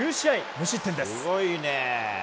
無失点です。